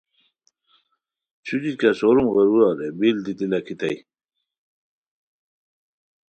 چھوچی کیہ سوروم غیرورا رے بِل دیتی لاکھیتائے